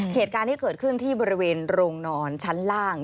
เหตุการณ์ที่เกิดขึ้นที่บริเวณโรงนอนชั้นล่าง